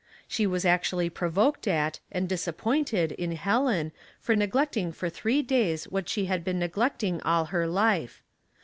She was actually provoked at, and dis appointed in Helen, for neglecting for three days what she had been neglecting ail her life.